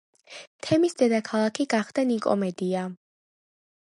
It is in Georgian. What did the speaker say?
თემის დედაქალაქი გახდა ნიკომედია.